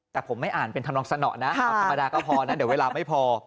แต่ผมไม่อ่านเป็นทำนองสนอนะธรรมดาก็พอนะเดี๋ยวเวลาไม่พอ